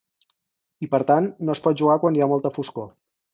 I per tant, no es pot jugar quan hi ha molta foscor.